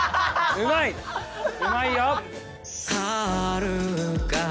うまいよ！